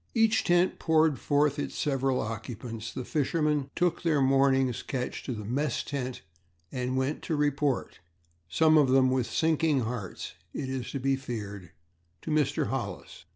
As each tent poured forth its several occupants, the fishermen took their mornings catch to the mess tent and went to report some of them with sinking hearts, it is to be feared to Mr. Hollis.